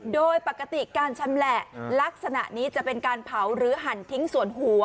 โดยปกติการชำแหละลักษณะนี้จะเป็นการเผาหรือหั่นทิ้งส่วนหัว